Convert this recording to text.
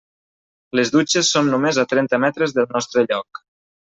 Les dutxes són només a trenta metres del nostre lloc.